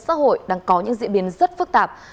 xã hội đang có những diễn biến rất phức tạp